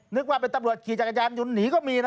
นึกว่าเป็นตำรวจขี่จักรยานยนต์หนีก็มีนะ